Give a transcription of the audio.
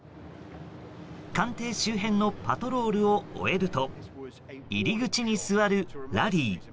官邸周辺のパトロールを終えると入り口に座るラリー。